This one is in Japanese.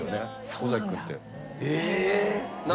尾崎君って。